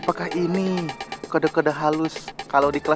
ya udah ini pakai duit aku dulu